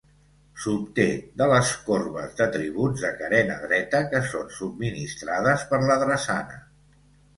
S'obté de les corbes d'atributs de carena dreta que són subministrades per la drassana.